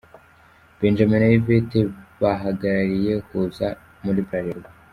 Benjamin na Yvette bahagarariye Huza muri Bralirwa.